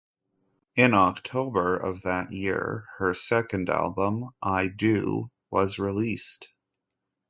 In October of that year, her second album, "I Do," was released.